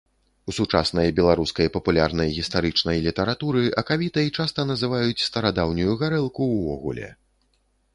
У сучаснай беларускай папулярнай гістарычнай літаратуры акавітай часта называюць старадаўнюю гарэлку ўвогуле.